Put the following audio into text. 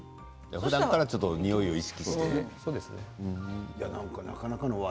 ふだんから匂いを意識して。